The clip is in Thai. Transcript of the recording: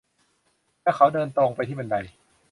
และเขาเดินตรงไปที่บันได